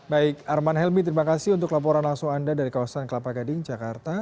baik arman helmi terima kasih untuk laporan langsung anda dari kawasan kelapa gading jakarta